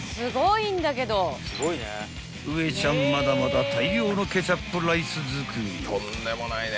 ［ウエちゃんまだまだ大量のケチャップライス作り］